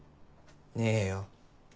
ねえよ。